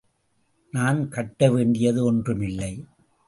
நான் கட்டவேண்டியது ஒன்றுமில்லை.